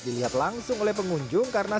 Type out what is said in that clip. dilihat langsung oleh pengunjung karena